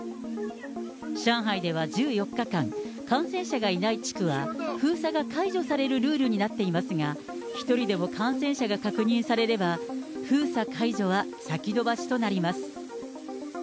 上海では１４日間、感染者がいない地区は封鎖が解除されるルールになっていますが、１人でも感染者が確認されれば、封鎖解除は先延ばしとなります。